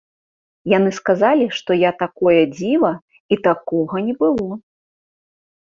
Яны сказалі, што я такое дзіва і такога не было.